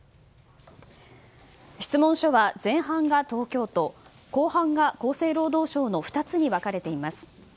質問書は前半が東京都後半が厚生労働省の２つに分かれています。